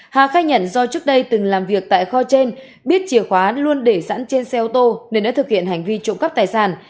hà khai nhận do trước đây từng làm việc tại kho trên biết chìa khóa luôn để sẵn trên xe ô tô nên đã thực hiện hành vi trộm cắp tài sản